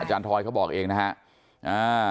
อาจารย์ทอยเขาบอกเองนะฮะ